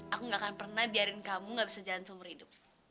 aku gak akan pernah biarin kamu gak bisa jalan seumur hidup